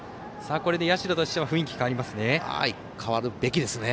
これで社としては雰囲気変わりますね。